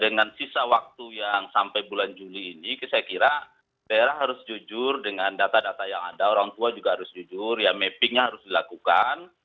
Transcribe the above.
dengan sisa waktu yang sampai bulan juli ini saya kira daerah harus jujur dengan data data yang ada orang tua juga harus jujur ya mappingnya harus dilakukan